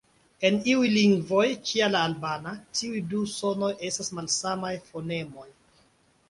En iuj lingvoj, kia la albana, tiuj du sonoj estas malsamaj fonemoj.